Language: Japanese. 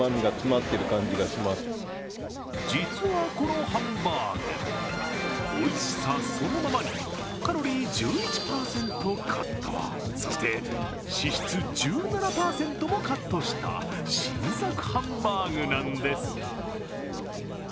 実はこのハンバーグおいしさそのままにカロリー１１％カットそして脂質１７％もカットした新作ハンバーグなんです。